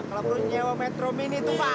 kalo perlu nyewa metro mini tuh pak